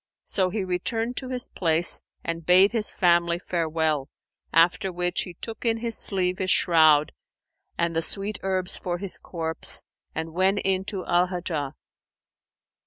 So he returned to his place and bade his family farewell, after which he took in his sleeve his shroud and the sweet herbs for his corpse, and went in to Al Hajjaj.